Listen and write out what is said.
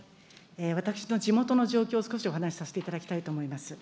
私の地元の状況を少しお話させていただきたいと思います。